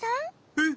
えっ！